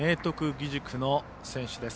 義塾の選手です。